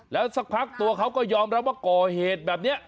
แล้วสักพักตัวเขาก็ยอมรับว่าก่อเหตุแบบนี้